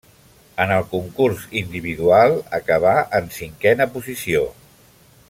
En el concurs individual acabà en cinquena posició.